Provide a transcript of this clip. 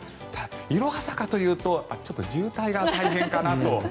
いろは坂というとちょっと渋滞が大変かなと。